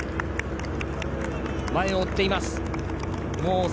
前を追っています。